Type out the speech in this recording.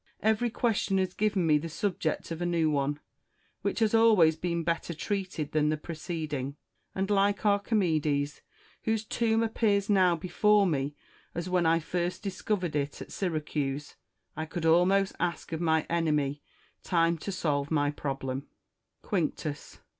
Every question has given me the subject of a new one, which has always been better treated than the preceding ; and, like Archimedes, whose tomb appears now before me as when I first discovered it at Syracuse, I could almost ask of my enemy time to solve my problem. Quinctus